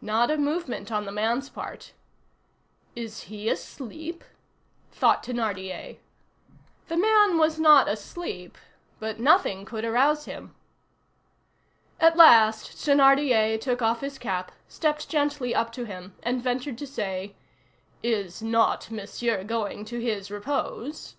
Not a movement on the man's part. "Is he asleep?" thought Thénardier. The man was not asleep, but nothing could arouse him. At last Thénardier took off his cap, stepped gently up to him, and ventured to say:— "Is not Monsieur going to his repose?"